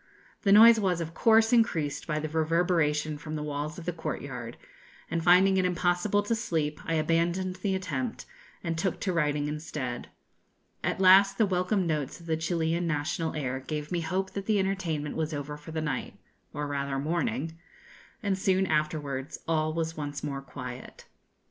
The noise was, of course, increased by the reverberation from the walls of the courtyard, and, finding it impossible to sleep, I abandoned the attempt, and took to writing instead. At last the welcome notes of the Chilian national air gave me hope that the entertainment was over for the night or rather morning and soon afterwards all was once more quiet.